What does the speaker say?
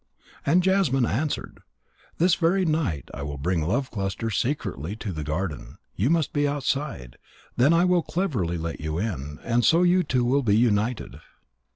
And Jasmine answered: "This very night I will bring Love cluster secretly to the garden. You must be outside. Then I will cleverly let you in, and so you two will be united."